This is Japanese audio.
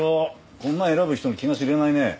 こんなの選ぶ人の気が知れないね。